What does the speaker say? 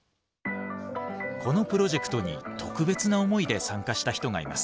このプロジェクトに特別な思いで参加した人がいます。